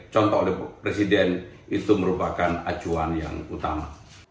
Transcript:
contoh oleh presiden itu merupakan acuan yang utama